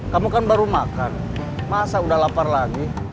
kamu kan baru makan masa udah lapar lagi